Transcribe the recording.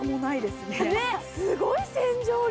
すごい洗浄力！